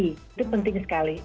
itu penting sekali